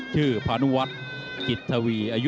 สวัสดีครับ